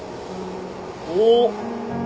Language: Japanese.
おっ！